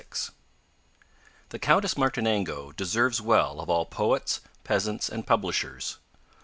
The Countess Martinengo deserves well of all poets, peasants and publishers.